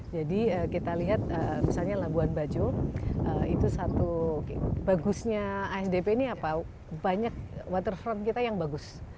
jadi kita lihat misalnya labuan bajo itu satu bagusnya asdp ini apa banyak waterfront kita yang bagus